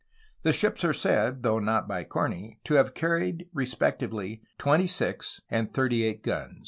The ships are said (though not by Corney) to have carried re spectively twenty six and thirty eight guns.